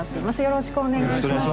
よろしくお願いします。